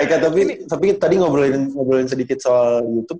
eka tapi tadi ngobrolin sedikit soal youtube